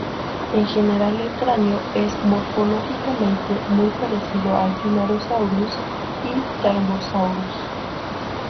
En general, el cráneo es morfológicamente muy parecido al de "Tyrannosaurus" y "Tarbosaurus".